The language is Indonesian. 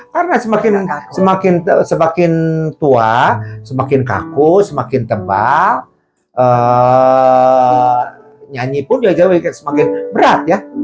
karena semakin semakin tua semakin kaku semakin tebal nyanyi pun semakin berat ya